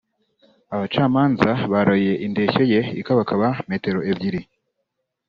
Abacamanza baroye indeshyo ye ikabakaba metero ebyiri